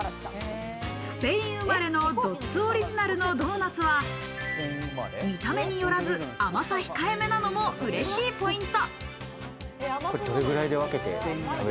スペイン生まれのＤＯＴＳオリジナルのドーナツは、見た目によらず甘さ控え目なのも嬉しいポイント。